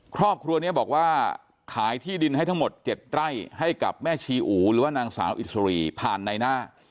ครอบครัวนี้บอกว่าขายที่ดินให้ทั้งหมด๗ไร่ให้กับแม่ชีอูหรือว่านางสาวอิสรีผ่านในหน้า